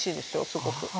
すごく。